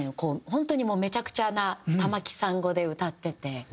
本当にもうめちゃくちゃな玉置さん語で歌ってて。